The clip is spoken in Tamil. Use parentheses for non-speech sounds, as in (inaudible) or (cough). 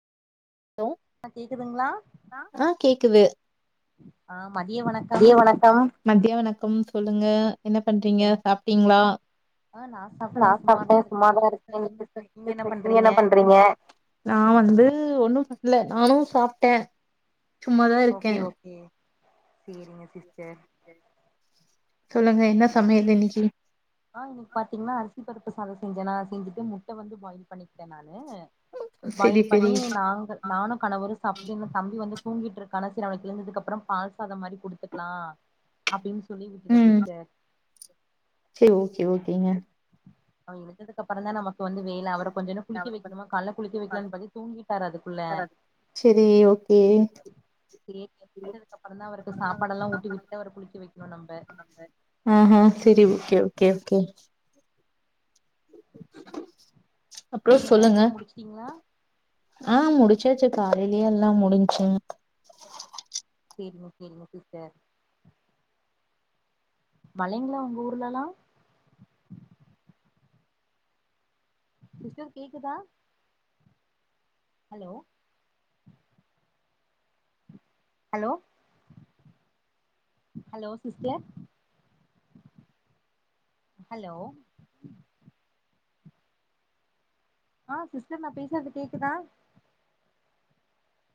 ஹலோ ஆ கேக்குதுங்களா ஆ கேக்குது ஆம் மதிய வணக்கம் மத்திய வணக்கம் சொல்லுங்க என்னப் பண்றீங்க என்ன சாப்டீங்ளா ஆ ஆ நா சாப்டே சும்மாதாருக்கே நீங்க ச இருக்கே (unintelligible) நீங்க என்ன பண்றீங்க நா வந்து ஒன்னும் பண்ல நானு சாப்டே சும்மாதா இருக்கே ஓகே ஓகே சேரிங்க சிஸ்டர் சொல்லுங்க என்ன சமையல் இன்னிக்கி ஆ இனைக் பாத்தீங்னா அரிசி பருப்பு சாத செஞ்சே நா செஞ்சுட்டு முட்ட வந்து பாயில் பண்ணிக்ட்டே நா னு பாயில் செரி பண்ணி செரி நாங்க நானு கணவரு சாப்டு இன்னு தம்பி வந்து தூங்கிட்ருக்கானா செரி அவனக் கிழந்ததுக்கு அப்றம் பால்ஸ்சாத மாரி குடுத்துக்லா அப்டின் சொல்லி விட்டுட்ட ம் சிஸ்டர் சே ஓகேங்க அவ எழுந்ததுக்கப்பறந்தா நம்ம இப்ப வந்து வேல அவரக் கொஞ்சனு குளிக்க வைக்ணுமா கால்ல குளிக்க வக்லாம்னு பத்தி தூங்கிட்டாரு அதுக்குள்ள செரி ஓகே சேரி அவ குளிச்சதுக்கப்புறந்தா அவருக்கு சாப்பாடெல்லா ஊட்டி விட்டு அவர குளிக்க வக்ணு நம்ப ஆ செரி ஓகே ஓகே ஓகே அப்றோ நீங்க சொல்லுங்க வேலையெல்லா முடிச்சிட்டீங்ளா ஆ முடிச்சாச்சு காலைலியே எல்லா முடிஞ்சிங் சேரிங்க சேரிங்க சிஸ்டர் மழைங்ளா உங்க ஊர்லலா சிஸ்டர் கேக்குதா hello hello hello sister hello ஆ சிஸ்டர் நா பேசறது கேக்குதா